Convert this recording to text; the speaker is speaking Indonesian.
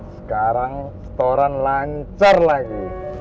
sekarang setoran lancar lagi